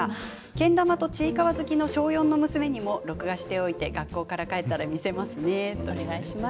けん玉とちいかわ好きの小４の娘にも録画しておいて学校から帰ったら見せますね。